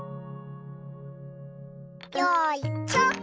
よいしょ。